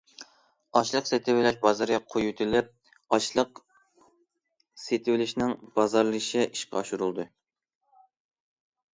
ئاشلىق سېتىۋېلىش بازىرى قويۇۋېتىلىپ، ئاشلىق سېتىۋېلىشنىڭ بازارلىشىشى ئىشقا ئاشۇرۇلدى.